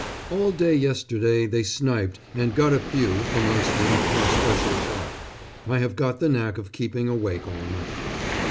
All day yesterday they sniped and got a few, amongst them our special shot.... I have got the knack of keeping awake all night.